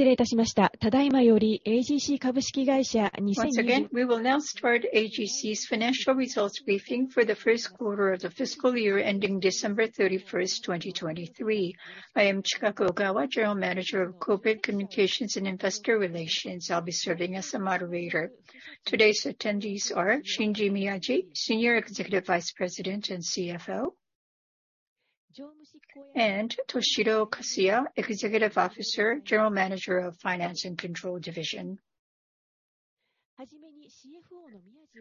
Once again, we will now start AGC's financial results briefing for the first quarter of the fiscal year ending December 31, 2023. I am Chikako Ogawa, General Manager of Corporate Communications and Investor Relations. I'll be serving as the moderator. Today's attendees are Shinji Miyaji, Senior Executive Vice President and CFO. Toshiro Kasuya, Executive Officer, General Manager of Finance and Control Division.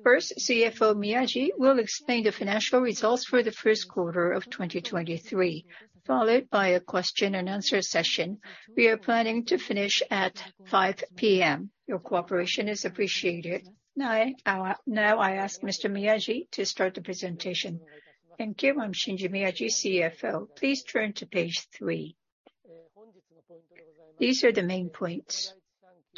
First, CFO Miyaji will explain the financial results for the first quarter of 2023, followed by a question and answer session. We are planning to finish at 5:00 P.M. Your cooperation is appreciated. Now, I ask Mr. Miyaji to start the presentation. Thank you. I'm Shinji Miyaji, CFO. Please turn to page three. These are the main points.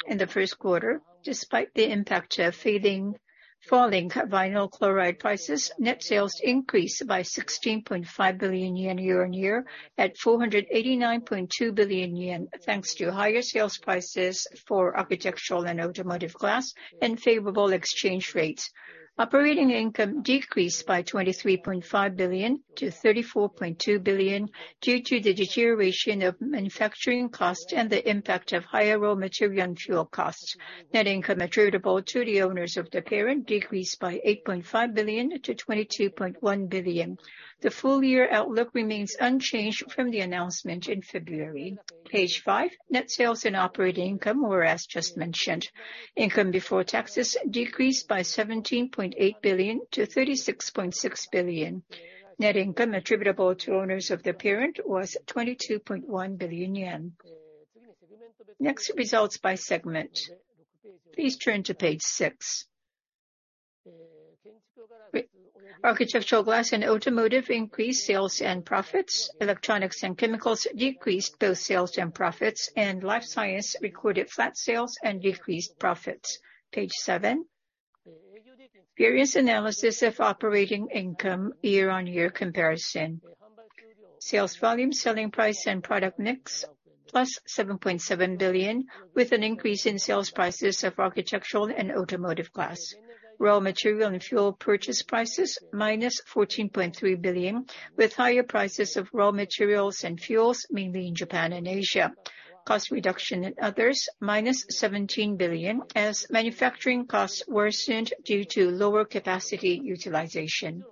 In the first quarter, despite the impact of fading, falling vinyl chloride prices, net sales increased by 16.5 billion yen year-on-year, at 489.2 billion yen, thanks to higher sales prices for architectural and automotive glass, and favorable exchange rates. Operating income decreased by 23.5 billion to 34.2 billion, due to the deterioration of manufacturing cost and the impact of higher raw material and fuel costs. Net income attributable to the owners of the parent decreased by 8.5 billion to 22.1 billion. The full year outlook remains unchanged from the announcement in February. Page five, net sales and operating income were as just mentioned. Income before taxes decreased by 17.8 billion to 36.6 billion. Net income attributable to owners of the parent was 22.1 billion yen. Next, results by segment. Please turn to page six. Architectural glass and Automotive increased sales and profits. Electronics and Chemicals decreased both sales and profits. Life Science recorded flat sales and decreased profits. Page seven. Various analysis of operating income, year-on-year comparison. Sales volume, selling price and product mix, +7.7 billion, with an increase in sales prices of architectural and automotive glass. Raw material and fuel purchase prices, -14.3 billion, with higher prices of raw materials and fuels, mainly in Japan and Asia. Cost reduction and others, -17 billion, as manufacturing costs worsened due to lower capacity utilization.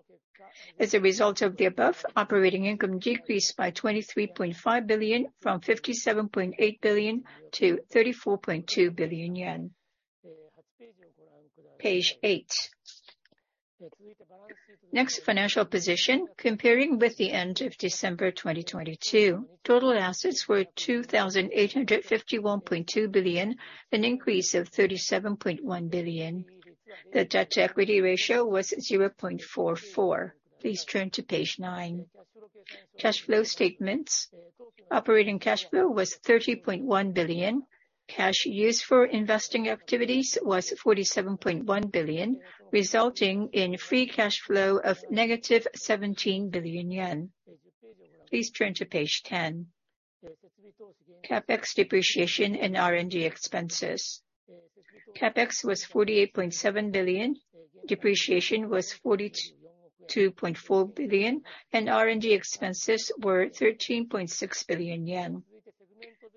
As a result of the above, operating income decreased by 23.5 billion, from 57.8 billion to 34.2 billion yen. Page 8. Next, financial position. Comparing with the end of December, 2022, total assets were 2,851.2 billion, an increase of 37.1 billion. The debt-to-equity ratio was 0.44. Please turn to page nine. Cash flow statements. Operating cash flow was 30.1 billion. Cash used for investing activities was 47.1 billion, resulting in free cash flow of negative 17 billion yen. Please turn to page 10. CapEx depreciation and R&D expenses. CapEx was 48.7 billion, depreciation was 42.4 billion, and R&D expenses were 13.6 billion yen.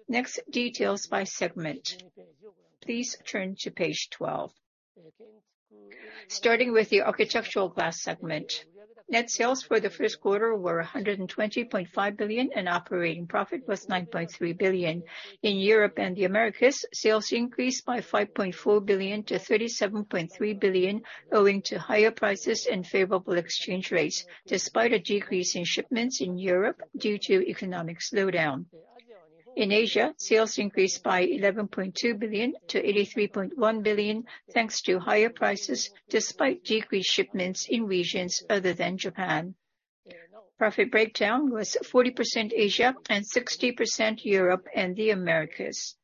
Next, details by segment. Please turn to page 12. Starting with the architectural glass segment. Net sales for the first quarter were 120.5 billion, and operating profit was 9.3 billion. In Europe and the Americas, sales increased by 5.4 billion to 37.3 billion, owing to higher prices and favorable exchange rates, despite a decrease in shipments in Europe due to economic slowdown. In Asia, sales increased by 11.2 billion to 83.1 billion, thanks to higher prices despite decreased shipments in regions other than Japan. Profit breakdown was 40% Asia and 60% Europe and the Americas.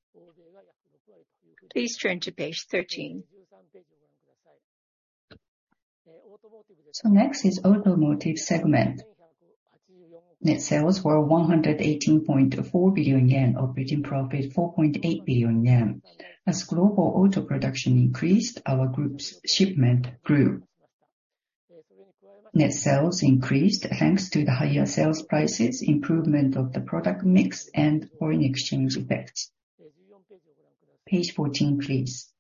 Please turn to page 13. Next is automotive segment. Net sales were 118.4 billion yen, operating profit, 4.8 billion yen. As global auto production increased, our group's shipment grew. Net sales increased thanks to the higher sales prices, improvement of the product mix, and foreign exchange effects. Page 14, please.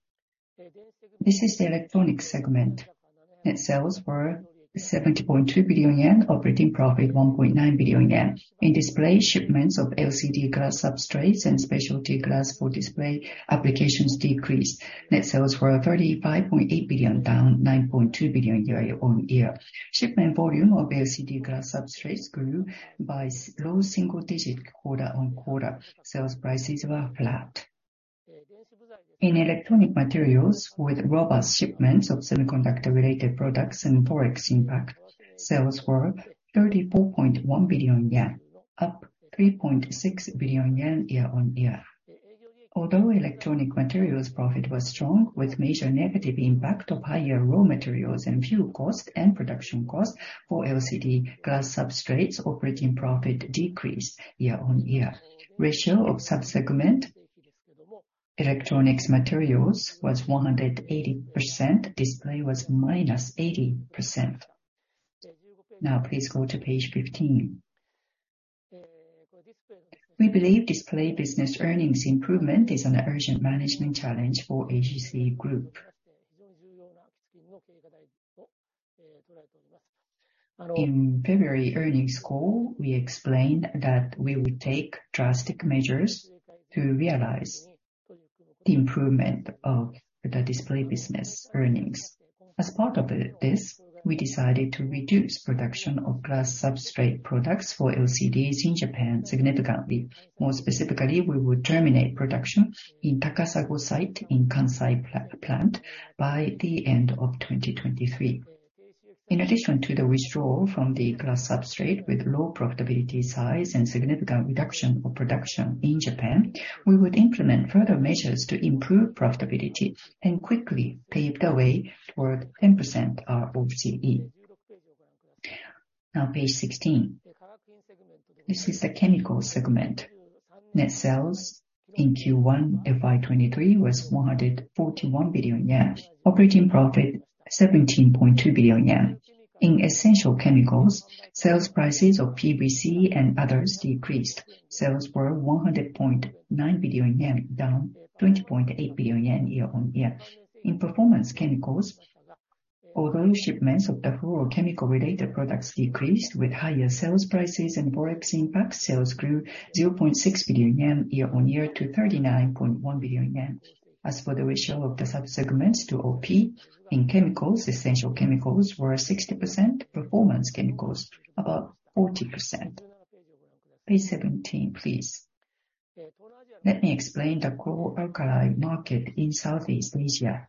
This is the electronics segment. Net sales were 70.2 billion yen, operating profit, 1.9 billion yen. In display shipments of LCD glass substrates and specialty glass for display applications decreased. Net sales were 35.8 billion, down 9.2 billion year-on-year. Shipment volume of LCD glass substrates grew by low single digits quarter-on-quarter. Sales prices were flat. In electronic materials, with robust shipments of semiconductor-related products and Forex impact, sales were 34.1 billion yen, up 3.6 billion yen year-on-year. Although electronic materials profit was strong, with major negative impact of higher raw materials and fuel costs and production costs for LCD glass substrates, operating profit decreased year-on-year. Ratio of sub-segment-Electronics materials was 180%. Display was -80%. Please go to page 15. We believe display business earnings improvement is an urgent management challenge for AGC Group. In February earnings call, we explained that we will take drastic measures to realize the improvement of the display business earnings. As part of it, we decided to reduce production of glass substrate products for LCDs in Japan significantly. More specifically, we will terminate production in Takasago site in Kansai plant by the end of 2023. In addition to the withdrawal from the glass substrate with low profitability size and significant reduction of production in Japan, we would implement further measures to improve profitability and quickly pave the way toward 10% ROCE. Page 16. This is the chemical segment. Net sales in Q1 FY23 was 141 billion yen. Operating profit, 17.2 billion yen. In essential chemicals, sales prices of PVC and others decreased. Sales were 100.9 billion yen, down 20.8 billion yen year-on-year. In performance chemicals, although shipments of the fluorochemical related products decreased with higher sales prices and Forex impact, sales grew 0.6 billion yen year-on-year to 39.1 billion yen. As for the ratio of the sub-segments to OP, in chemicals, essential chemicals were 60%, performance chemicals about 40%. Page 17, please. Let me explain the chlor-alkali market in Southeast Asia.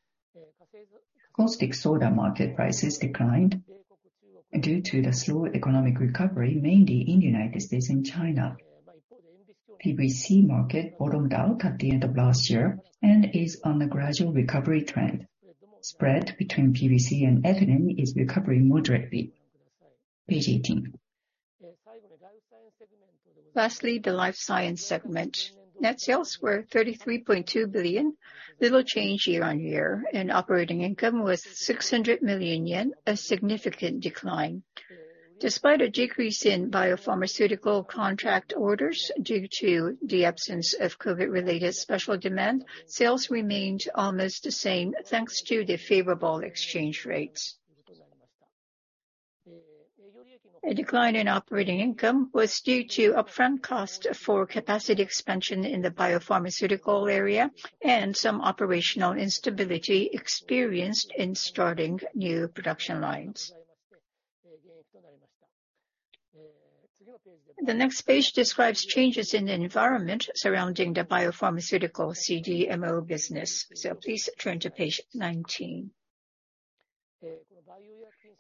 Caustic soda market prices declined due to the slow economic recovery, mainly in United States and China. PVC market bottomed out at the end of last year and is on a gradual recovery trend. Spread between PVC and ethylene is recovering moderately. Page 18. Lastly, the life science segment. Net sales were 33.2 billion, little change year-on-year, and operating income was 600 million yen, a significant decline. Despite a decrease in biopharmaceutical contract orders due to the absence of COVID-related special demand, sales remained almost the same, thanks to the favorable exchange rates. A decline in operating income was due to upfront cost for capacity expansion in the biopharmaceutical area and some operational instability experienced in starting new production lines. The next page describes changes in the environment surrounding the biopharmaceutical CDMO business. Please turn to page 19.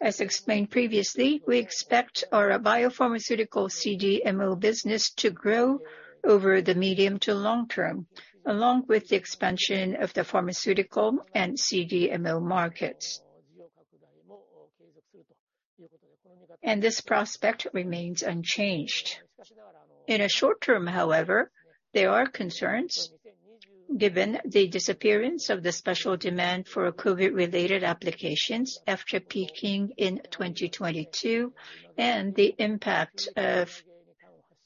As explained previously, we expect our biopharmaceutical CDMO business to grow over the medium to long term, along with the expansion of the pharmaceutical and CDMO markets. This prospect remains unchanged. In a short term, however, there are concerns given the disappearance of the special demand for COVID-related applications after peaking in 2022, and the impact of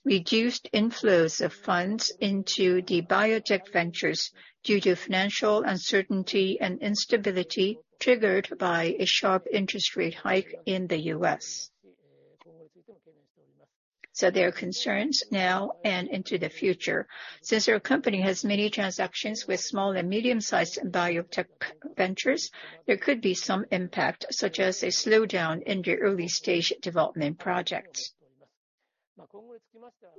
reduced inflows of funds into the biotech ventures due to financial uncertainty and instability triggered by a sharp interest rate hike in the U.S. There are concerns now and into the future. Since our company has many transactions with small and medium-sized biotech ventures, there could be some impact, such as a slowdown in the early-stage development projects.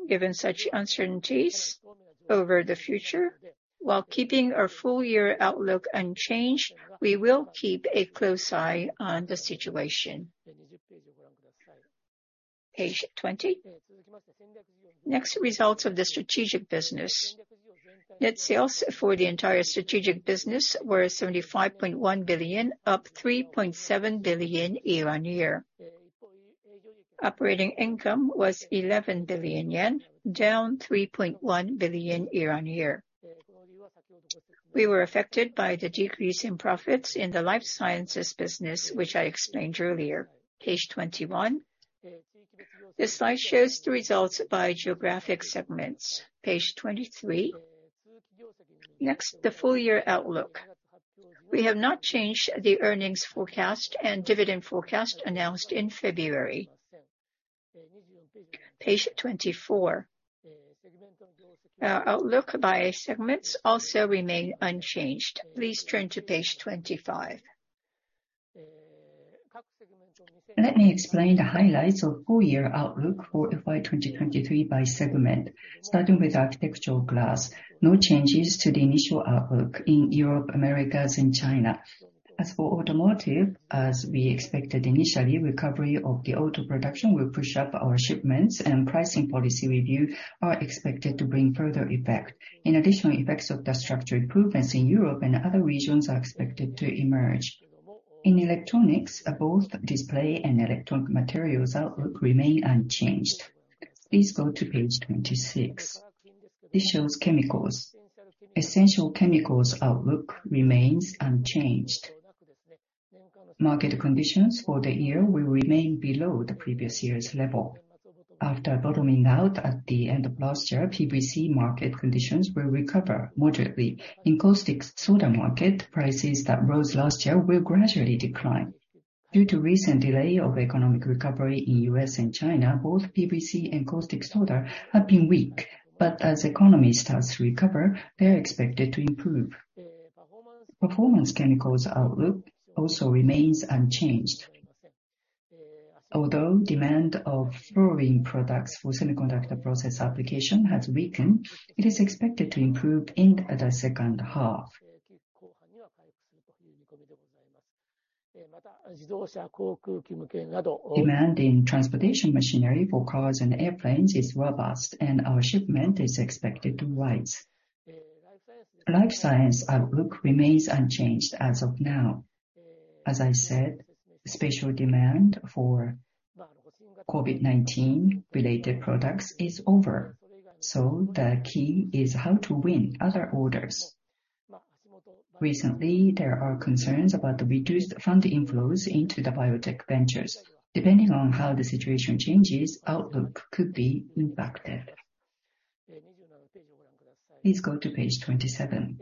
Given such uncertainties over the future, while keeping our full-year outlook unchanged, we will keep a close eye on the situation. Page 20. Next, results of the strategic business. Net sales for the entire strategic business were 75.1 billion, up 3.7 billion year-on-year. Operating income was 11 billion yen, down 3.1 billion year-on-year. We were affected by the decrease in profits in the life sciences business, which I explained earlier. Page 21. This slide shows the results by geographic segments. Page 23. The full-year outlook. We have not changed the earnings forecast and dividend forecast announced in February. Page 24. Our outlook by segments also remain unchanged. Please turn to page 25. Let me explain the highlights of full-year outlook for FY 2023 by segment, starting with architectural glass. No changes to the initial outlook in Europe, Americas and China. As for automotive, as we expected initially, recovery of the auto production will push up our shipments. Pricing policy review are expected to bring further effect. In addition, effects of the structure improvements in Europe and other regions are expected to emerge. In electronics, both display and electronic materials outlook remain unchanged. Please go to page 26. This shows chemicals. Essential chemicals outlook remains unchanged. Market conditions for the year will remain below the previous year's level. After bottoming out at the end of last year, PVC market conditions will recover moderately. In caustic soda market, prices that rose last year will gradually decline. Due to recent delay of economic recovery in U.S. and China, both PVC and caustic soda have been weak. As economy starts to recover, they are expected to improve. Performance chemicals outlook also remains unchanged. Although demand of fluorine products for semiconductor process application has weakened, it is expected to improve in the second half. Demanding transportation machinery for cars and airplanes is robust, and our shipment is expected to rise. Life science outlook remains unchanged as of now. As I said, special demand for COVID-19 related products is over. The key is how to win other orders. Recently, there are concerns about the reduced fund inflows into the biotech ventures. Depending on how the situation changes, outlook could be impacted. Please go to page 27.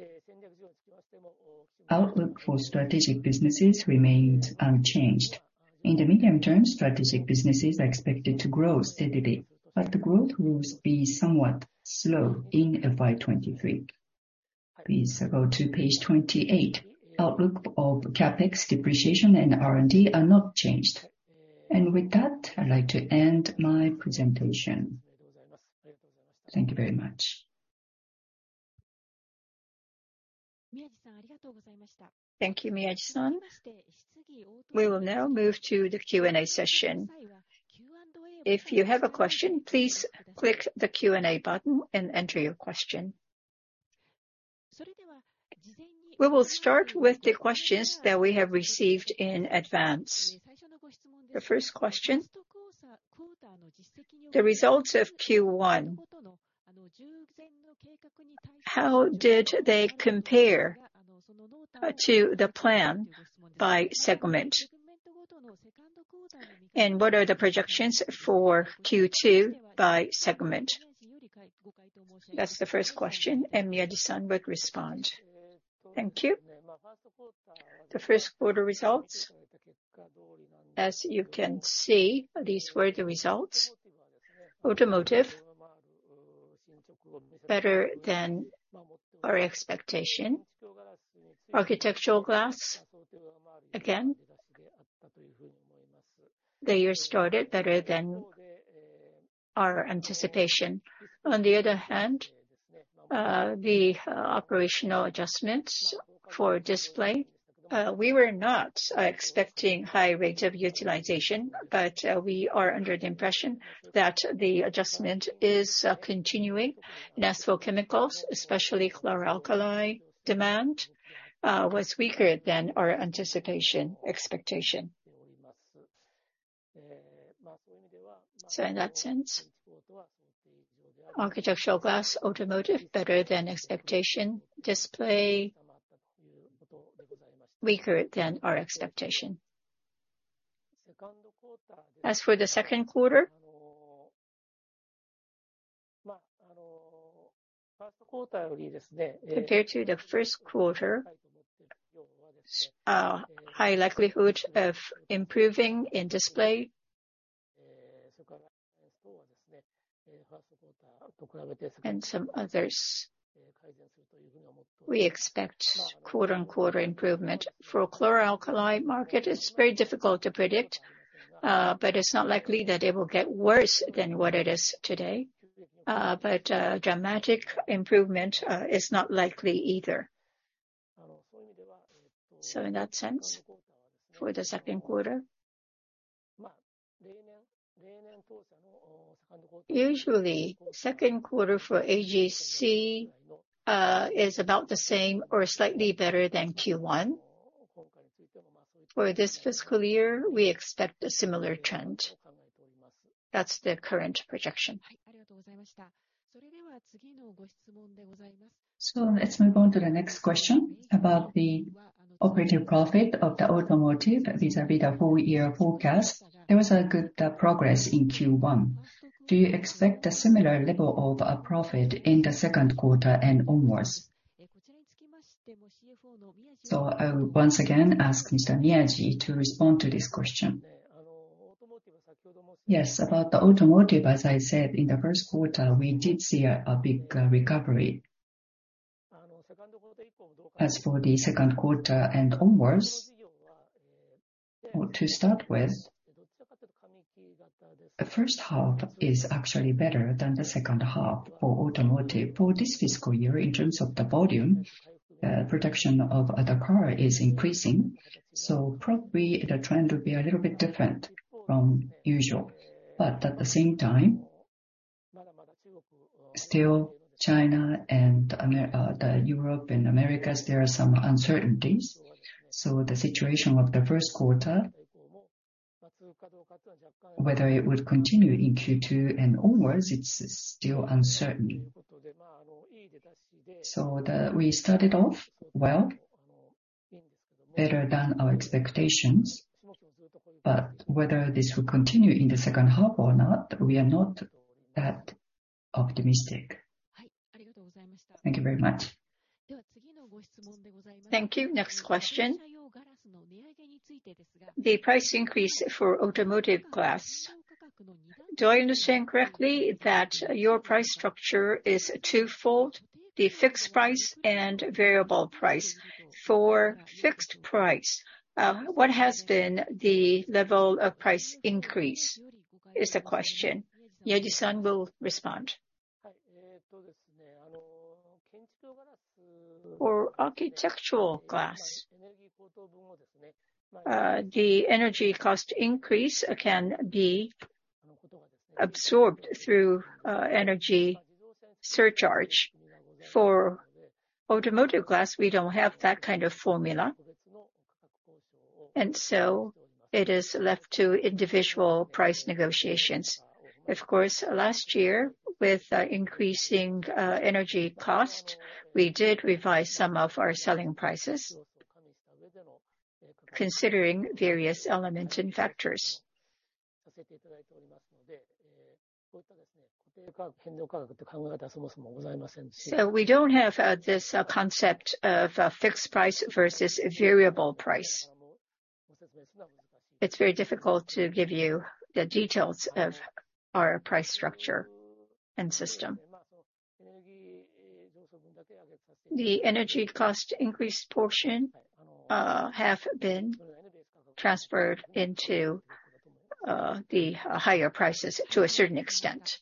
Outlook for strategic businesses remains unchanged. In the medium term, strategic businesses are expected to grow steadily, but the growth will be somewhat slow in FY 2023. Please go to page 28. Outlook of CapEx depreciation and R&D are not changed. With that, I'd like to end my presentation. Thank you very much. Thank you, Miyaji-san. We will now move to the Q&A session. If you have a question, please click the Q&A button and enter your question. We will start with the questions that we have received in advance. The first question, the results of Q1. How did they compare to the plan by segment? What are the projections for Q2 by segment? That's the first question, and Miyaji-san will respond. Thank you. The first quarter results, as you can see, these were the results. Automotive, better than our expectation. Architectural glass, again, the year started better than our anticipation. On the other hand, the operational adjustments for display, we were not expecting high rate of utilization, but we are under the impression that the adjustment is continuing. Essentials chemicals, especially chlor-alkali demand, was weaker than our anticipation expectation. In that sense, architectural glass, automotive better than expectation. Display weaker than our expectation. As for the second quarter, compared to the first quarter, high likelihood of improving in display and some others. We expect quarter-on-quarter improvement. For chlor-alkali market, it's very difficult to predict, it's not likely that it will get worse than what it is today. A dramatic improvement is not likely either. In that sense, for the second quarter? Usually second quarter for AGC is about the same or slightly better than Q1. For this fiscal year, we expect a similar trend. That's the current projection. Let's move on to the next question about the operative profit of the automotive vis-à-vis the full year forecast. There was a good progress in Q1. Do you expect a similar level of profit in the second quarter and onwards? I will once again ask Mr. Miyaji to respond to this question. Yes. About the automotive, as I said, in the first quarter, we did see a big recovery. As for the second quarter and onwards, well, to start with, the first half is actually better than the second half for automotive for this fiscal year in terms of the volume. Production of the car is increasing, so probably the trend will be a little bit different from usual. At the same time, still China and Europe and Americas, there are some uncertainties. The situation of the first quarter, whether it would continue in Q2 and onwards, it's still uncertain. We started off well, better than our expectations. Whether this will continue in the second half or not, we are not that optimistic. Thank you very much. Thank you. Next question. The price increase for automotive glass. Do I understand correctly that your price structure is twofold, the fixed price and variable price? For fixed price, what has been the level of price increase, is the question. Yaji-san will respond. For architectural glass, the energy cost increase can be absorbed through energy surcharge. For automotive glass, we don't have that kind of formula. It is left to individual price negotiations. Of course, last year with increasing energy cost, we did revise some of our selling prices considering various elements and factors. We don't have this concept of fixed price versus variable price. It's very difficult to give you the details of our price structure and system. The energy cost increase portion have been transferred into the higher prices to a certain extent.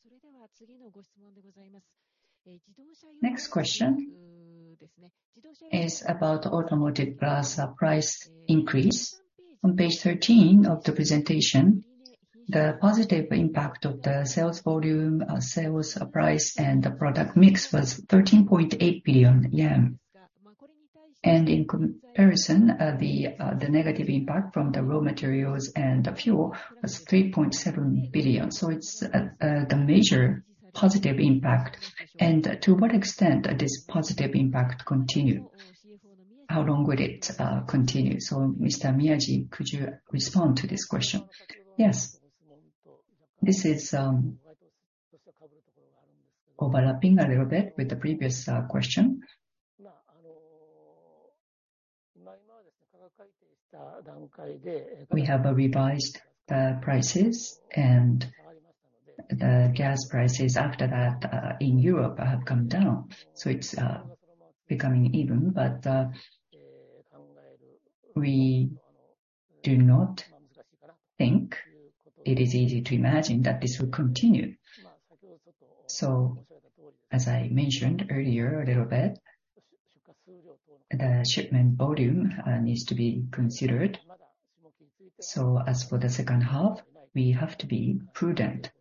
Next question is about automotive glass price increase. On page 13 of the presentation, the positive impact of the sales volume, sales price and the product mix was 13.8 billion yen. In comparison, the negative impact from the raw materials and fuel was 3.7 billion. It's the major positive impact. To what extent this positive impact continue? How long will it continue? Mr. Miyaji, could you respond to this question? Yes. This is, overlapping a little bit with the previous, question. We have revised the prices and the gas prices after that, in Europe have come down, so it's becoming even. We do not think it is easy to imagine that this will continue. As I mentioned earlier a little bit, the shipment volume, needs to be considered. As for the second half, we have to be prudent.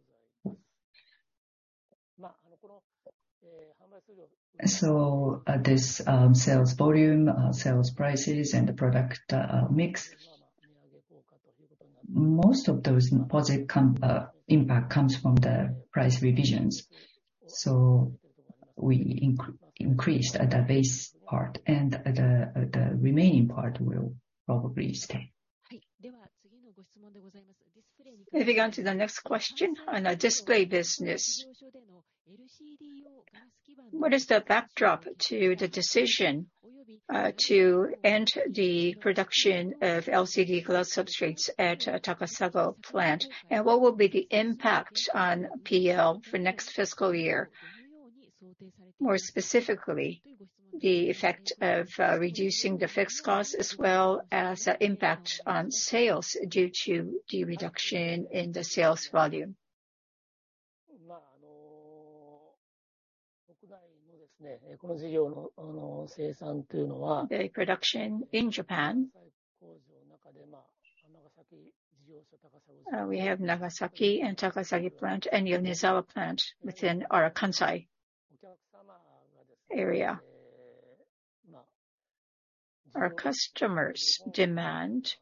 This, sales volume, sales prices and the product mix, most of those positive impact comes from the price revisions. We increased at the base part, and the remaining part will probably stay. Moving on to the next question. On our display business, what is the backdrop to the decision to end the production of LCD glass substrates at Takasago plant? What will be the impact on P&L for next fiscal year? More specifically, the effect of reducing the fixed costs, as well as the impact on sales due to the reduction in the sales volume. The production in Japan, we have Nagasaki and Takasago plant and Yonezawa plant within our Kansai area. Our customers' demand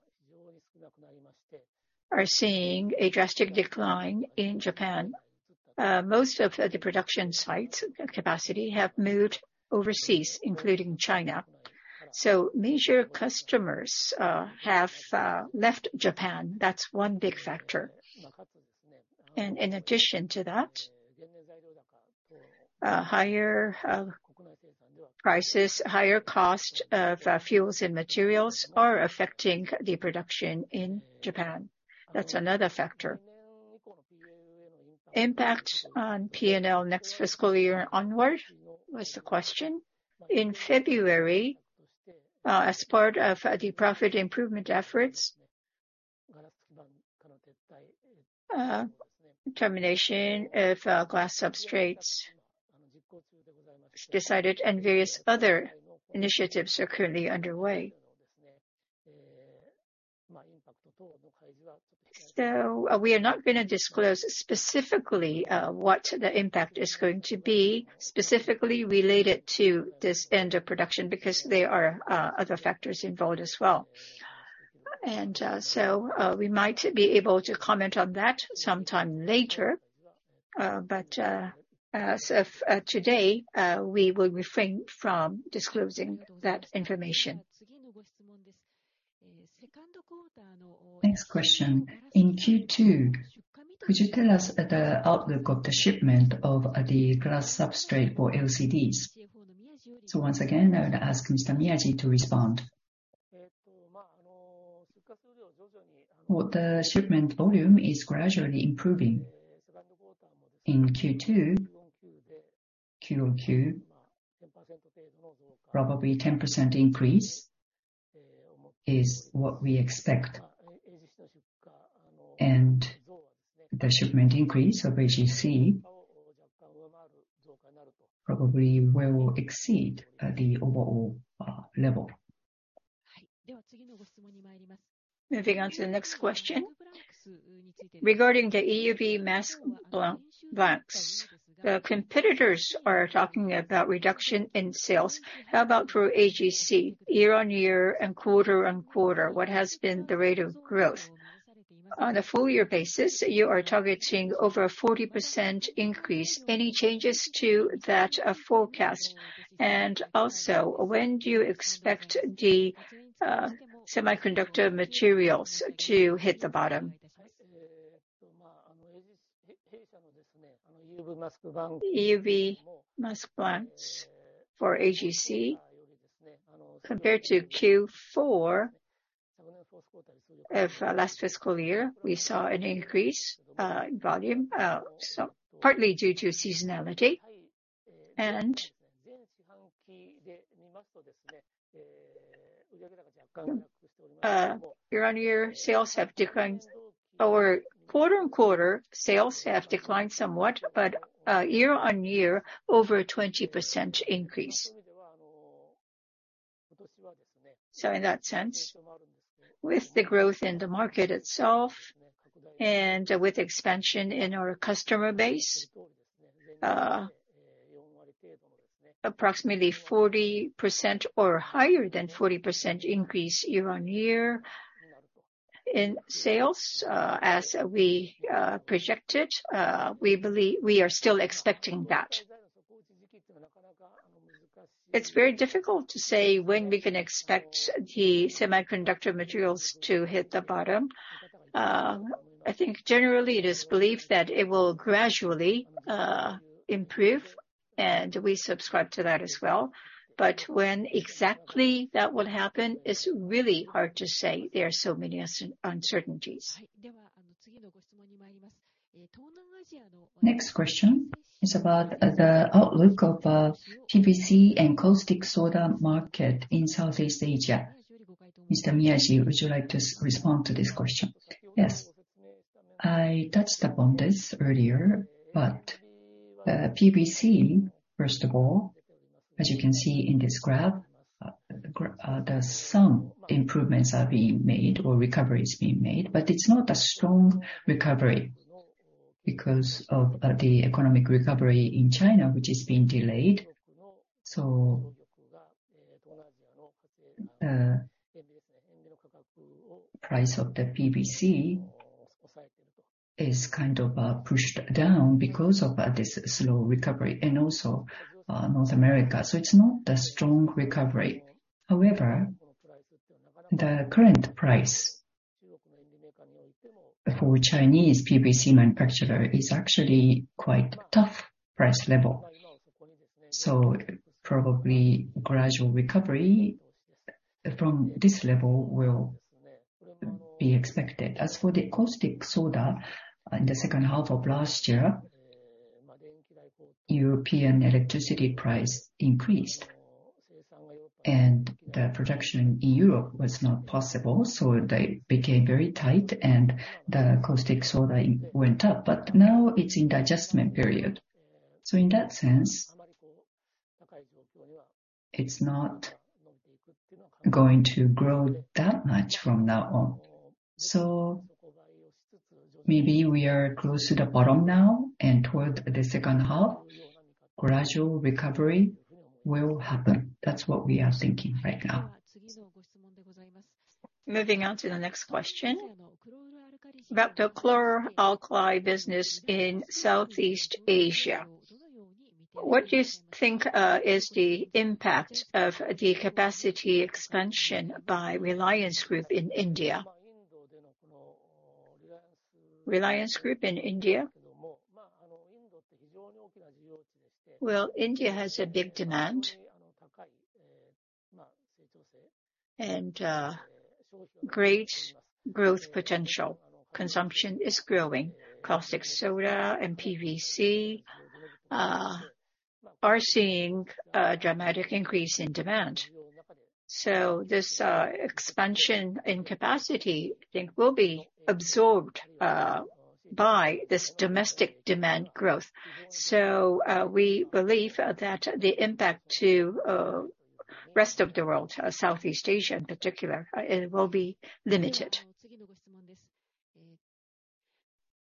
are seeing a drastic decline in Japan. Most of the production sites capacity have moved overseas, including China. Major customers have left Japan. That's one big factor. In addition to that, higher prices, higher cost of fuels and materials are affecting the production in Japan. That's another factor. Impact on P&L next fiscal year onward was the question. In February, as part of the profit improvement efforts, termination of glass substrates decided, and various other initiatives are currently underway. We are not going to disclose specifically what the impact is going to be specifically related to this end of production, because there are other factors involved as well. We might be able to comment on that sometime later. As of today, we will refrain from disclosing that information. Next question. In Q2, could you tell us the outlook of the shipment of the glass substrate for LCDs? Once again, I would ask Mr. Miyaji to respond. Well, the shipment volume is gradually improving. In Q2, QOQ, probably 10% increase is what we expect. The shipment increase of AGC probably will exceed the overall level. Moving on to the next question. Regarding the EUV mask blank, blanks, the competitors are talking about reduction in sales. How about for AGC? Year-on-year and quarter-on-quarter, what has been the rate of growth? On a full year basis, you are targeting over a 40% increase. Any changes to that forecast? When do you expect the semiconductor materials to hit the bottom? EUV mask blanks for AGC, compared to Q4 of last fiscal year, we saw an increase in volume. Partly due to seasonality. Year-on-year sales have declined. Our quarter-on-quarter sales have declined somewhat, but year-on-year, over a 20% increase. In that sense, with the growth in the market itself, and with expansion in our customer base, approximately 40% or higher than 40% increase year-on-year in sales, as we projected. We are still expecting that. It's very difficult to say when we can expect the semiconductor materials to hit the bottom. I think generally it is believed that it will gradually improve, and we subscribe to that as well. When exactly that will happen is really hard to say. There are so many uncertainties. Next question is about the outlook of PVC and caustic soda market in Southeast Asia. Mr. Miyaji, would you like to respond to this question? Yes. I touched upon this earlier. PVC, first of all, as you can see in this graph, there's some improvements are being made or recovery is being made, but it's not a strong recovery because of the economic recovery in China, which is being delayed. Price of the PVC is kind of pushed down because of this slow recovery and also, North America, so it's not a strong recovery. The current price for Chinese PVC manufacturer is actually quite tough price level, so probably gradual recovery from this level will be expected. The caustic soda, in the second half of last year, European electricity price increased, and the production in Europe was not possible, so they became very tight and the caustic soda went up. Now it's in the adjustment period. In that sense, it's not going to grow that much from now on. Maybe we are close to the bottom now, and towards the second half, gradual recovery will happen. That's what we are thinking right now. Moving on to the next question. About the chlor-alkali business in Southeast Asia, what do you think is the impact of the capacity expansion by Reliance Group in India? Reliance Group in India? Well, India has a big demand and great growth potential. Consumption is growing. caustic soda and PVC are seeing a dramatic increase in demand. This expansion in capacity I think will be absorbed by this domestic demand growth. We believe that the impact to rest of the world, Southeast Asia in particular, it will be limited.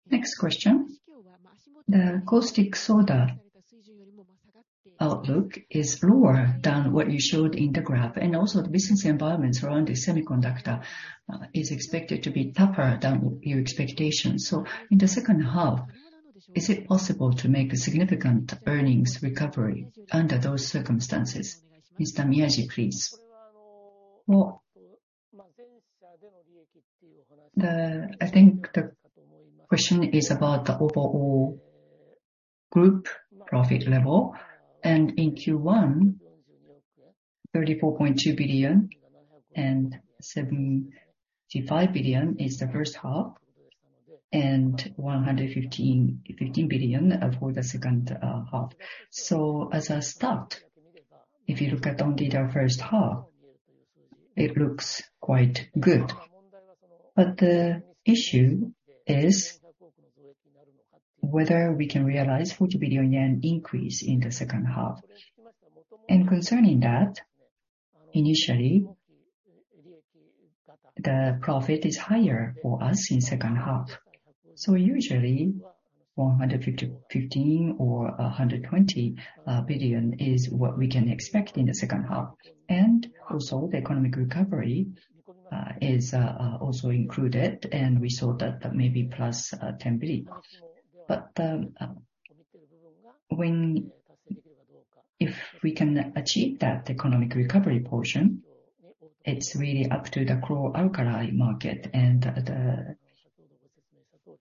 Next question. The caustic soda outlook is lower than what you showed in the graph. The business environments around the semiconductor is expected to be tougher than your expectations. In the second half, is it possible to make a significant earnings recovery under those circumstances? Mr. Miyaji, please. I think the question is about the overall group profit level. In Q1, 34.2 billion and 75 billion is the first half, and 115 billion for the second half. As I start, if you look at only the first half, it looks quite good. The issue is whether we can realize 40 billion yen increase in the second half. Concerning that, initially the profit is higher for us in second half. Usually 150 billion-15 billion or 120 billion is what we can expect in the second half. Also the economic recovery is also included, and we saw that may be plus 10 billion. When if we can achieve that economic recovery portion, it's really up to the chlor-alkali market.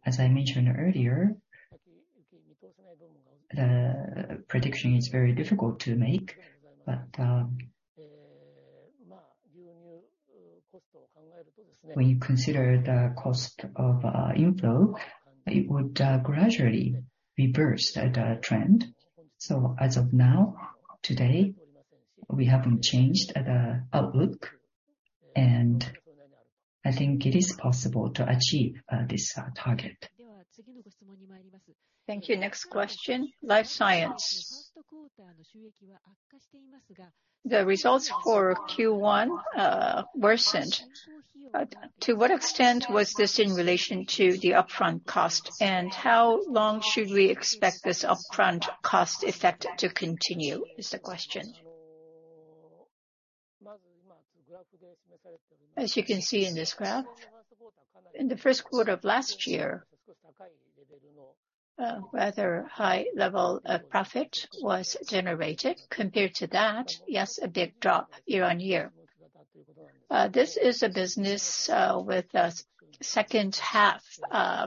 As I mentioned earlier, the prediction is very difficult to make. When you consider the cost of inflow, it would gradually reverse the trend. As of now, today, we haven't changed the outlook, and I think it is possible to achieve this target. Thank you. Next question, life science. The results for Q1 worsened. To what extent was this in relation to the upfront cost? How long should we expect this upfront cost effect to continue, is the question. As you can see in this graph, in the first quarter of last year, a rather high level of profit was generated. Compared to that, yes, a big drop year-on-year. This is a business with a second half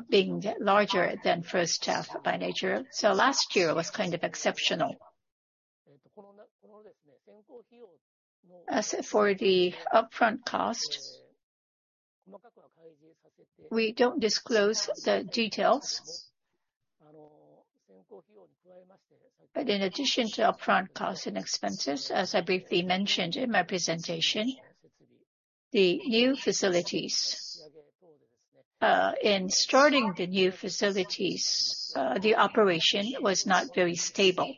being larger than first half by nature. Last year was kind of exceptional. As for the upfront cost, we don't disclose the details. But in addition to upfront costs and expenses, as I briefly mentioned in my presentation, the new facilities. In starting the new facilities, the operation was not very stable,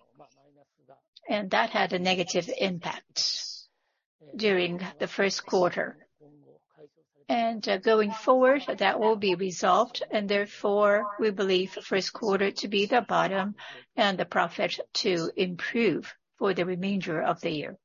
and that had a negative impact during the first quarter. Going forward, that will be resolved, and therefore we believe first quarter to be the bottom and the profit to improve for the remainder of the year.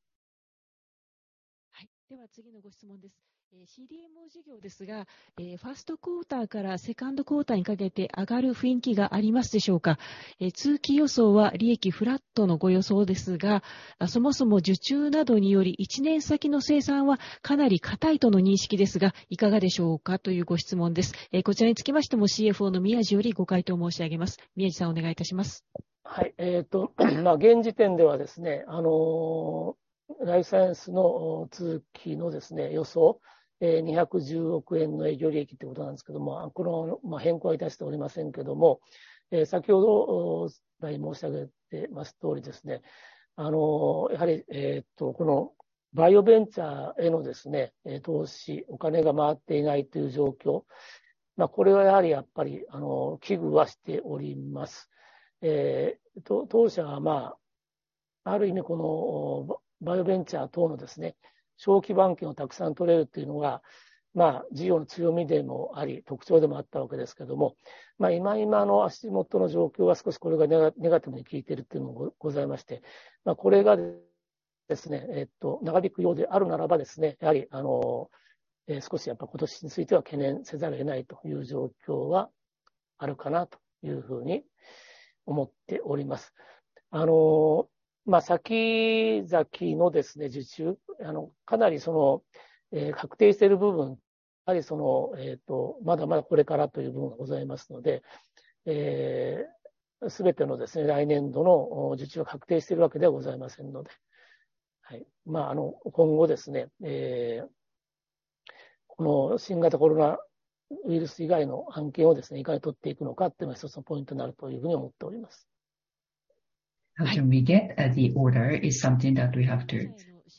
How can we get, the order is something that we have to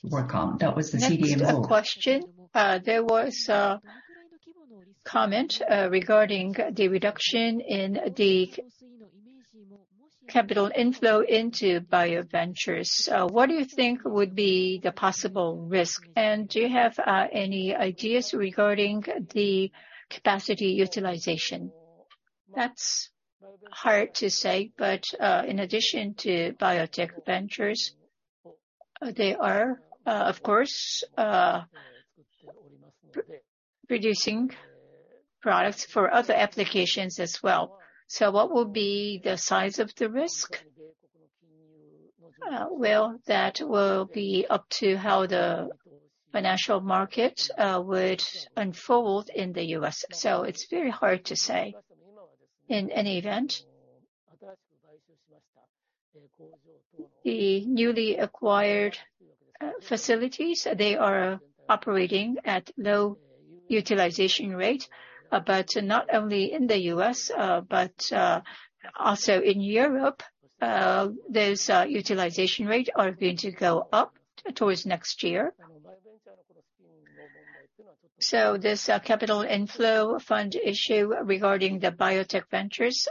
work on. That was the CDMO. Next question. There was a comment regarding the reduction in the capital inflow into bio ventures. What do you think would be the possible risk, and do you have any ideas regarding the capacity utilization? That's hard to say, but in addition to biotech ventures, they are, of course, producing products for other applications as well. What will be the size of the risk? Well, that will be up to how the financial market would unfold in the U.S. It's very hard to say. In any event, the newly acquired facilities, they are operating at low utilization rate, but not only in the U.S., but also in Europe, those utilization rate are going to go up towards next year. This capital inflow fund issue regarding the biotech ventures,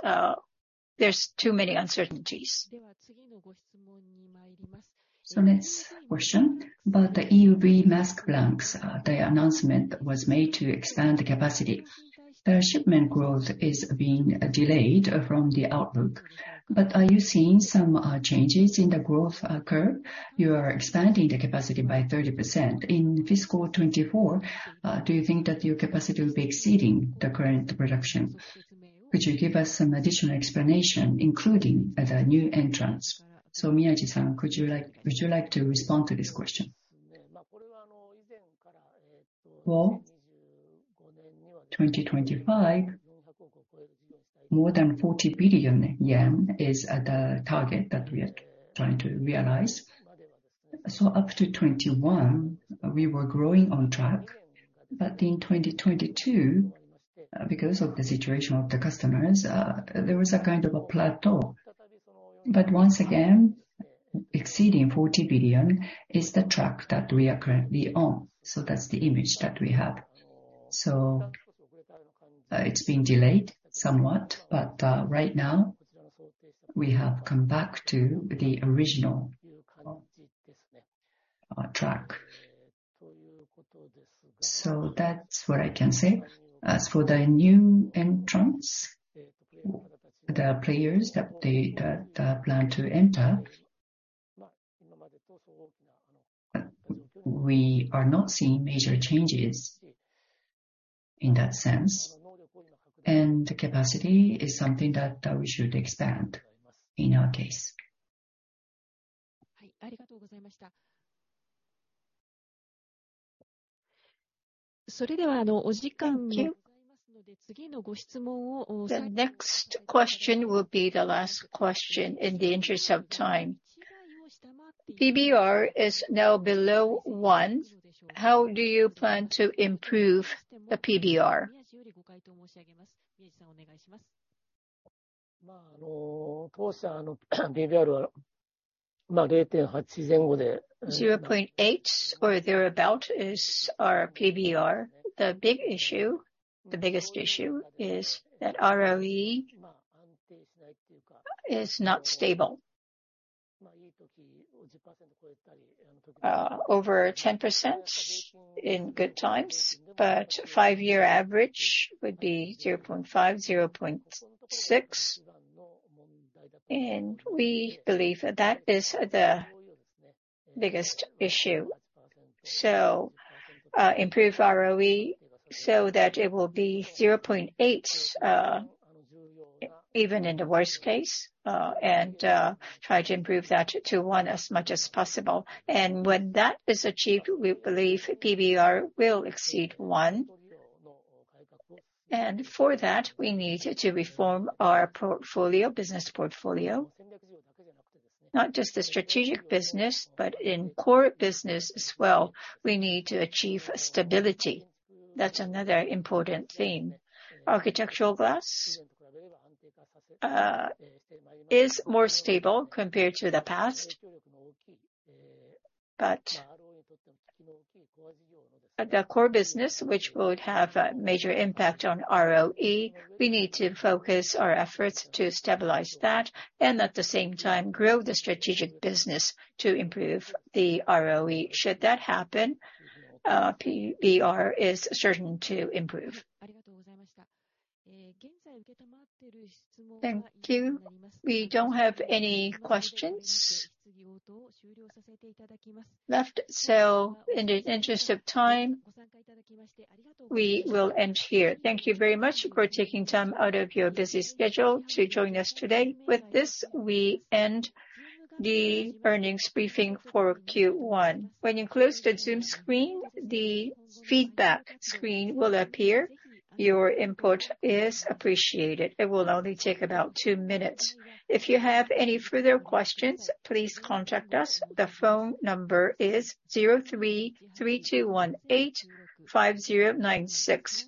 there's too many uncertainties. Next question about the EUVL mask blanks. The announcement was made to expand the capacity. The shipment growth is being delayed from the outlook, but are you seeing some changes in the growth occur? You are expanding the capacity by 30%. In fiscal 2024, do you think that your capacity will be exceeding the current production? Could you give us some additional explanation, including the new entrants? Miyaji-san, would you like to respond to this question? Well, 2025, more than 40 billion yen is the target that we are trying to realize. Up to 2021, we were growing on track. In 2022, because of the situation of the customers, there was a kind of a plateau. Once again, exceeding 40 billion is the track that we are currently on. That's the image that we have. It's been delayed somewhat, but right now we have come back to the original track. That's what I can say. As for the new entrants, the players that plan to enter, we are not seeing major changes in that sense. The capacity is something that we should expand in our case. Thank you. The next question will be the last question in the interest of time. PBR is now below 1. How do you plan to improve the PBR? 0.8 or thereabout is our PBR. The big issue, the biggest issue is that ROE is not stable. Over 10% in good times, but five-year average would be 0.5, 0.6. We believe that is the biggest issue. improve ROE so that it will be 0.8 even in the worst case, and try to improve that to one as much as possible. When that is achieved, we believe PBR will exceed one. For that, we need to reform our portfolio, business portfolio. Not just the strategic business, but in core business as well, we need to achieve stability. That's another important theme. Architectural glass is more stable compared to the past. The core business, which would have a major impact on ROE, we need to focus our efforts to stabilize that and at the same time grow the strategic business to improve the ROE. Should that happen, PBR is certain to improve. Thank you. We don't have any questions left, so in the interest of time, we will end here. Thank you very much for taking time out of your busy schedule to join us today. With this, we end the earnings briefing for Q1. When you close the Zoom screen, the feedback screen will appear. Your input is appreciated. It will only take about two minutes. If you have any further questions, please contact us. The phone number is 03321850960.